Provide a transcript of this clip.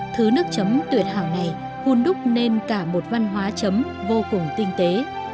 thứ nước chấm tuyệt hảo này hun đúc nên cả một văn hóa chấm vô cùng tinh tế